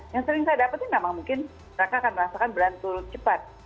yang sering saya dapetin memang mungkin mereka akan merasakan belantul cepat